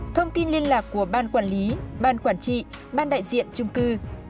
thông tin liên lạc của ban quản lý ban quản trị ban đại diện trung cư